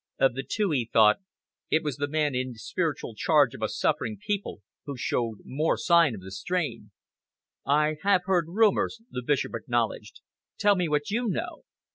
Of the two, he thought, it was the man in spiritual charge of a suffering people who showed more sign of the strain. "I have heard rumours," the Bishop acknowledged. "Tell me what you know?"